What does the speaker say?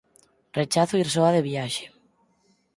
Rechazo ir soa de viaxe.